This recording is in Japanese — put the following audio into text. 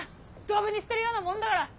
ドブに捨てるようなもんだから。